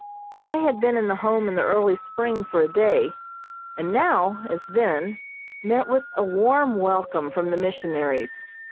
I had been in the Home in the early spring for a day, and now, as then, met with a warm welcome from the missionaries.